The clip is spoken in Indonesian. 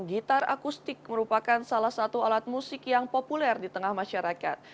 gitar akustik merupakan salah satu alat musik yang populer di tengah masyarakat